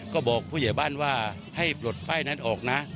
ก็บอกผู้ใหญ่บ้านว่าให้ปลดป้ายนั้นออกนะ